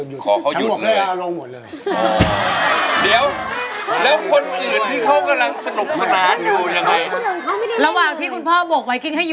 พ่ออยู่เบาของพวกเราครับ